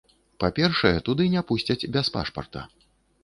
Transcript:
Па-першае, туды не пусцяць без пашпарта.